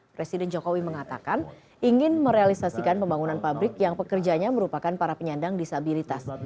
presiden jokowi mengatakan ingin merealisasikan pembangunan pabrik yang pekerjanya merupakan para penyandang disabilitas